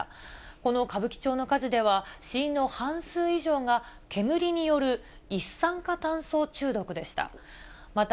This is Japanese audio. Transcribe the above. この歌舞伎町の火事では、死因の半数以上が、煙による一酸化炭素中毒でした。